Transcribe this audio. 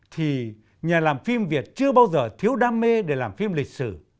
thì nhà làm phim việt chưa bao giờ thiếu đam mê để làm phim lịch sử